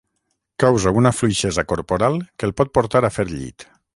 Causa una fluixesa corporal que el pot portar a fer llit.